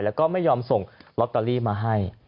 แล้วก็ไม่ยอมส่งลอตเตอรี่มาให้